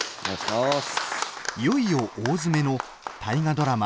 いよいよ大詰めの大河ドラマ